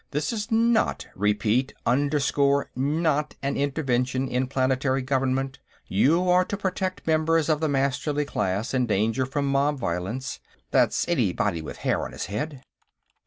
This is not, repeat, underscore, not an intervention in planetary government. You are to protect members of the Masterly class in danger from mob violence. That's anybody with hair on his head.